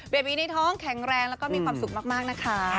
บีในท้องแข็งแรงแล้วก็มีความสุขมากนะคะ